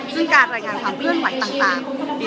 ซึ่งการรายงานความเคลื่อนไหวต่าง